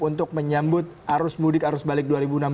untuk menyambut arus mudik arus balik dua ribu enam belas